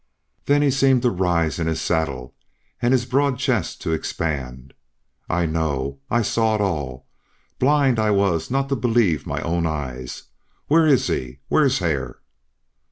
Then he seemed to rise in his saddle, and his broad chest to expand. "I know I saw it all blind I was not to believe my own eyes! Where is he? Where is Hare?"